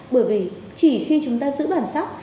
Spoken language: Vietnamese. bởi vì chỉ khi chúng ta giữ bản sóc